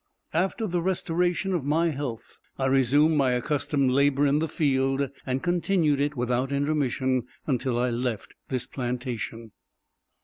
After the restoration of my health, I resumed my accustomed labor in the field, and continued it without intermission, until I left this plantation.